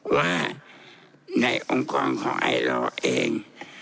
ว่าในองค์กรของไอลอร์เอง